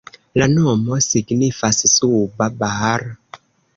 La nomo signifas suba Bar.